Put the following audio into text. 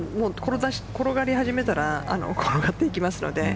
転がり始めたら転がっていきますので。